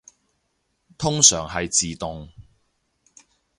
通常係自動